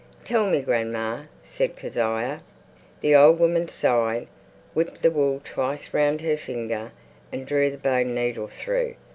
"Tell me, grandma," said Kezia. The old woman sighed, whipped the wool twice round her thumb, and drew the bone needle through.